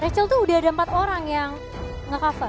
rachel tuh udah ada empat orang yang ngecover